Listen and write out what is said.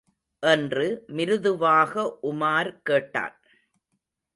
என்று மிருதுவாக உமார் கேட்டான்.